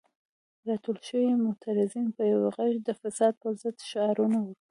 راټول شوي معترضین په یو غږ د فساد پر ضد شعارونه ورکوي.